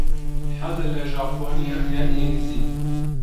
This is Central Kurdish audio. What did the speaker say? حەزت لە ژاپۆنییە یان ئینگلیزی؟